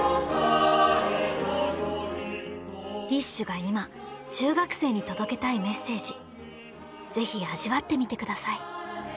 ＤＩＳＨ／／が今中学生に届けたいメッセージ是非味わってみて下さい。